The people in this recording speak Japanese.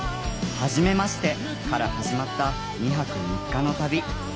「はじめまして」から始まった２泊３日の旅。